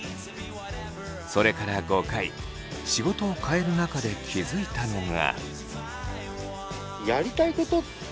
それから５回仕事を変える中で気付いたのが。